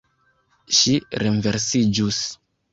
Ŝi renversiĝus.